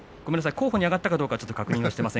候補に挙がったかどうかは確認していません。